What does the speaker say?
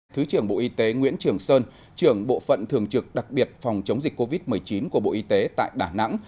thứ trưởng bộ y tế nguyễn trường sơn trưởng bộ phận thường trực đặc biệt phòng chống dịch covid một mươi chín của bộ y tế tại đà nẵng